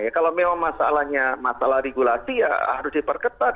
kalau memang masalahnya masalah regulasi ya harus diperketat